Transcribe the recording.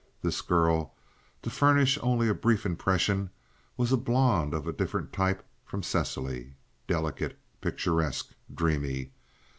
This girl, to furnish only a brief impression, was a blonde of a different type from Cecily—delicate, picturesque, dreamy.